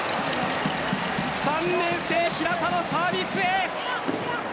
３年生・平田のサービスエース。